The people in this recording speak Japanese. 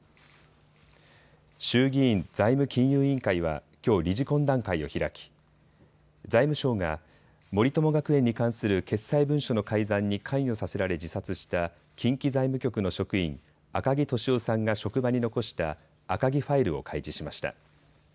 衆議院財務金融委員会はきょう理事懇談会を開き財務省が森友学園に関する決裁文書の改ざんに関与させられ自殺した近畿財務局の職員、赤木俊夫さんが職場に残した赤木ファイルを開示しました。